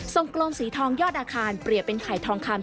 กลมสีทองยอดอาคารเปรียบเป็นไข่ทองคำ